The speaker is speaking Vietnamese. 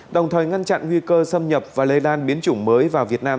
đồng thời ngăn chặn nguy cơ xâm nhập và lây lan biến chủng mới vào việt nam